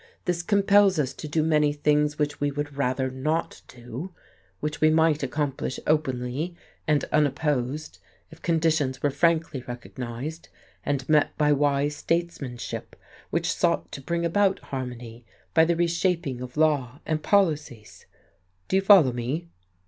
This compels us to do many things which we would rather not do, which we might accomplish openly and unopposed if conditions were frankly recognized, and met by wise statesmanship which sought to bring about harmony by the reshaping of laws and policies. Do you follow me?"